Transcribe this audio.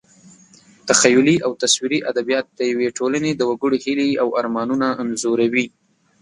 تخیلي او تصویري ادبیات د یوې ټولنې د وګړو هیلې او ارمانونه انځوروي.